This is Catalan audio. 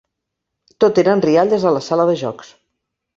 Tot eren rialles a la sala de jocs.